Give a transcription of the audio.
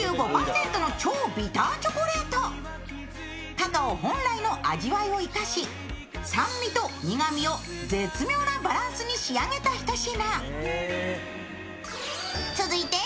カカオ本来の味を生かし、酸味と苦みを絶妙なバランスに仕上げたひと品。